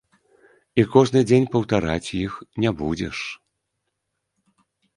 І кожны дзень паўтараць іх не будзеш.